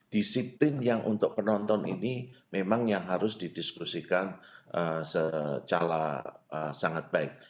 disiplin yang untuk penonton ini memang yang harus didiskusikan secara sangat baik